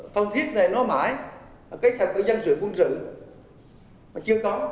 phân thiết này nói mãi cái thành phần dân sự quân sự mà chưa có